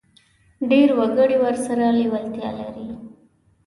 ډېر وګړي ورسره لېوالتیا لري.